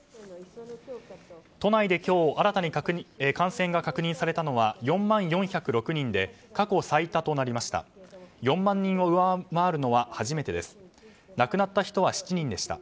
都内で今日新たに感染が確認されたのは４万４０６人で過去最多となりました。